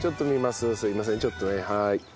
すいませんちょっとねはい。